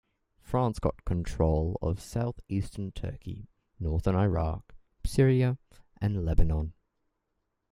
France got control of southeastern Turkey, northern Iraq, Syria and Lebanon.